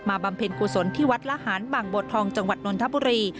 บำเพ็ญกุศลที่วัดละหารบางโบทองจังหวัดนนทบุรี